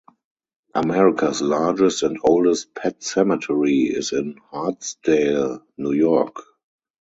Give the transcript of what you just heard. America's largest and oldest pet cemetery is in Hartsdale, New York.